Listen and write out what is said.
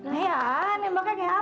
ayah nembaknya kayak apa